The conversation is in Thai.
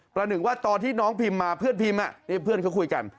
หนึ่งว่าตอนที่น้องพิมพ์มาเพื่อนพิมพ์เพื่อนเขาคุยกัน